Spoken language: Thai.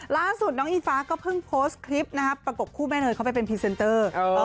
ล่าสุดน้องอิงฟ้าก็เพิ่งโพสต์คลิปนะครับประกบคู่แม่เนยเข้าไปเป็นพรีเซนเตอร์